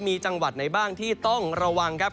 มีจังหวัดไหนบ้างที่ต้องระวังครับ